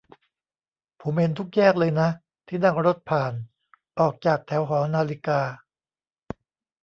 ผมเห็นทุกแยกเลยนะ ที่นั่งรถผ่าน ออกจากแถวหอนาฬิกา